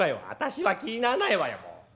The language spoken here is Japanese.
「私は気にならないわよもう。